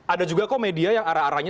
ada juga kok media yang arah arahnya